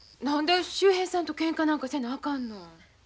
何で秀平さんとけんかなんかせなあかんの？